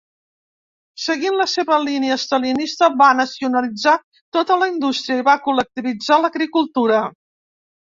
Seguint la seva línia estalinista, va nacionalitzar tota la indústria i va col·lectivitzar l'agricultura.